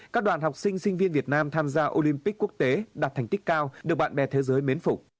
các đoàn học sinh sinh viên việt nam tham gia olympic quốc tế đạt thành tích cao được bạn bè thế giới mến phục